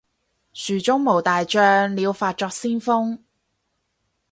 蜀中無大將，廖化作先鋒